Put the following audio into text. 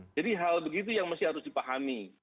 itu adalah hal begitu yang harus dipahami